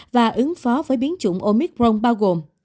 và ứng phó với biến chủng omicron bao gồm